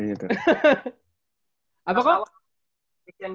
eksien gunawan juga latihan